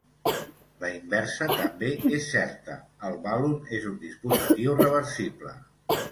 La inversa també és certa: el balun és un dispositiu reversible.